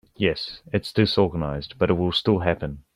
Yes, it’s disorganized but it will still happen.